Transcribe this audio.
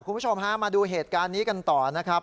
คุณผู้ชมฮะมาดูเหตุการณ์นี้กันต่อนะครับ